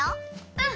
うん！